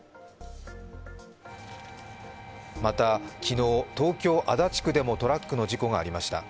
また昨日、東京・足立区でもトラックの事故がありました。